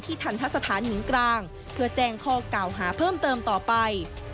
ทันทะสถานหญิงกลางเพื่อแจ้งข้อกล่าวหาเพิ่มเติมต่อไป